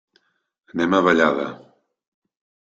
Anem a Vallada.